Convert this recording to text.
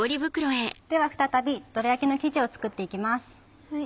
では再びどら焼きの生地を作っていきます。